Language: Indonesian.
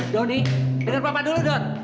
doni denger papa dulu don